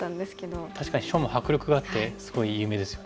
確かに書も迫力があってすごい有名ですよね。